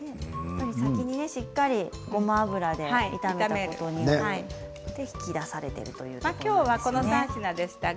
先にしっかりとごま油で炒めることで引き出されているということですね。